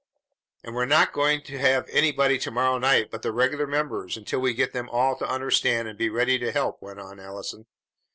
"And we're not going to have anybody to morrow night but the regular members until we get them all to understand and be ready to help," went on Allison.